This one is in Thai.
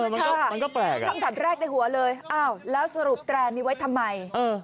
คำถามแรกในหัวเลยแล้วสรุปแตรมีไว้ทำไม